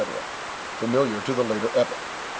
familiar to the latter epoch.